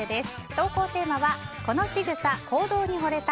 投稿テーマはこのしぐさ・行動に惚れた！